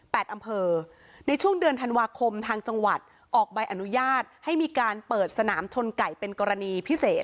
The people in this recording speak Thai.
อำเภอในช่วงเดือนธันวาคมทางจังหวัดออกใบอนุญาตให้มีการเปิดสนามชนไก่เป็นกรณีพิเศษ